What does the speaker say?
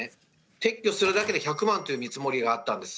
撤去するだけで１００万という見積もりがあったんです。